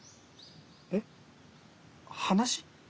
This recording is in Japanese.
えっ？話？